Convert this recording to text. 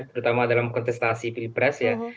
terutama dalam kontestasi pilpres ya